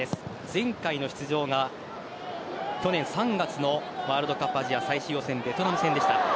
前回の出場が去年３月のワールドカップアジア最終予選ベトナム戦でした。